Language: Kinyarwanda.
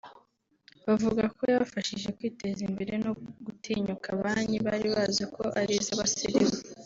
bavuga ko yabafashije kwiteza imbere no gutinyuka Banki bari bazi ko ari izabasirimu